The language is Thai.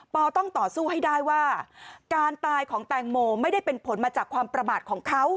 ต้องต่อสู้ให้ได้ว่าการตายของแตงโมไม่ได้เป็นผลมาจากความประมาทของเขา